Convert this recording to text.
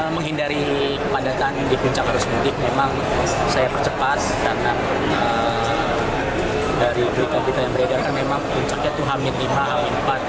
menghindari kepadatan di puncak arus mudik memang saya percepat karena dari berita berita yang beredar kan memang puncaknya itu h lima h empat